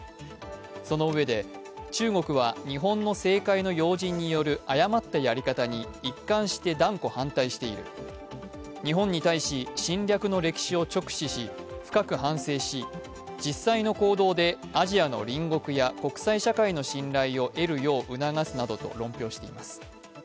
そのうえで中国は日本の政界の要人による誤ったやり方に一貫して断固反対している、日本に対し侵略の歴史を直視し、深く反省し、実際の行動でアジアの隣国や国際社会の信頼を得るよう促すなどと論評しています。